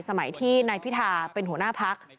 สมัยที่นายพิธาเป็นหัวหน้าพัก